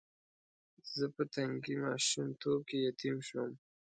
زه په تنکي ماشومتوب کې یتیم شوم.